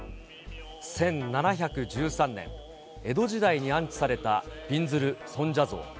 １７１３年、江戸時代に安置されたびんずる尊者像。